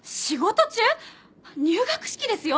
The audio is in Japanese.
入学式ですよ？